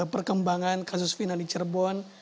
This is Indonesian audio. perkembangan kasus final di cirebon